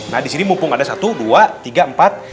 nah di sini mumpung ada satu dua tiga empat